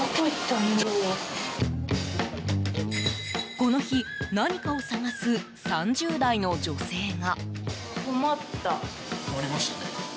この日、何かを探す３０代の女性が。